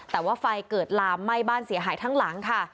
แต่ว่าไฟเกิดลามไหม้บ้านเสียหายทั้งหลังค่ะ